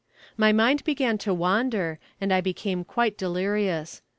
My mind began to wander, and I became quite delirious.